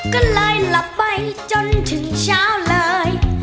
ก็เลยหลับไปจนถึงเช้าเลย